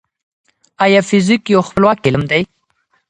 ايا فزيک يو خپلواک علم دی؟